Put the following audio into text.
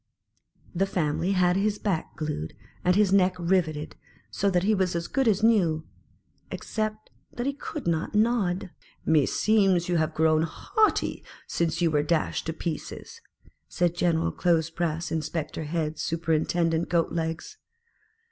The family had his back glued, and his neck riveted, so that he was as good as new, except that he could not nod. " Meseems, you have grown haughty since you were dashed to pieces," said General clothes press inspector head super intendent Goat legs.